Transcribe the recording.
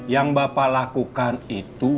yang bapak lakukan itu